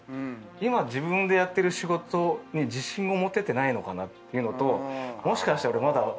今自分でやってる仕事に自信を持ててないのかなっていうのともしかして。